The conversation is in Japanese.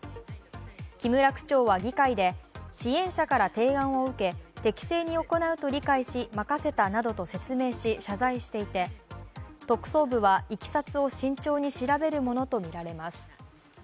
木村区長は議会で支援者から提案を受け、適切に行うと理解し任せたなどと説明して謝罪していて、特捜部はいきさつを慎重に調べるものとみられます。